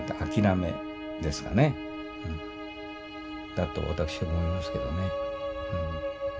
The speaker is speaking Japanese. だと私思いますけどね。